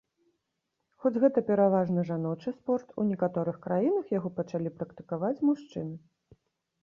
Хоць гэта пераважна жаночы спорт, у некаторых краінах яго пачалі практыкаваць мужчыны.